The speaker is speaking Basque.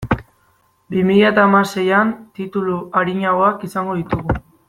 Bi mila eta hamaseian titulu arinagoak izango ditugu.